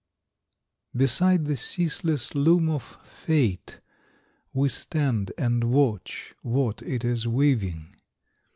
Beside the ceaseless loom of fate We stand and watch what it is weaving.